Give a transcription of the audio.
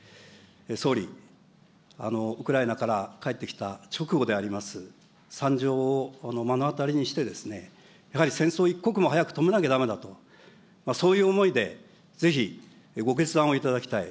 総理、ウクライナから帰ってきた直後であります、惨状を目の当たりにしてですね、やはり戦争を一刻も早く止めなきゃだめだと、そういう思いで、ぜひご決断をいただきたい。